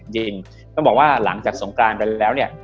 ต้องบอกว่าหลังจากสงกรานไปแล้วเนี่ย